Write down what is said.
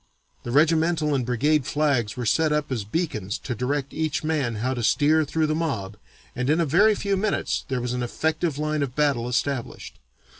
The regimental and brigade flags were set up as beacons to direct each man how to steer through the mob and in a very few minutes there was an effective line of battle established.